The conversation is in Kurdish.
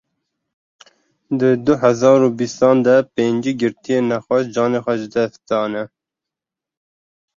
Di du hezar û bîstan de pêncî girtiyên nexweş canê xwe ji dest dane.